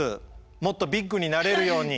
もっとビッグになれるように。